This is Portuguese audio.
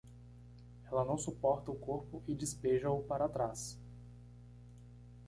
Ela não suporta o corpo e despeja-o para trás